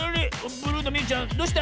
ブルーのみゆちゃんどうした？